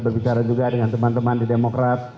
berbicara juga dengan teman teman di demokrat